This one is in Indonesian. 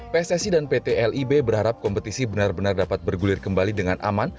pssi dan pt lib berharap kompetisi benar benar dapat bergulir kembali dengan aman